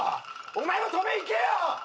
お前も止め行けよ！